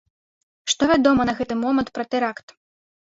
Што вядома на гэты момант пра тэракт?